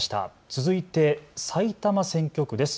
続いて埼玉選挙区です。